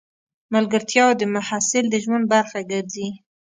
ملګرتیاوې د محصل د ژوند برخه ګرځي.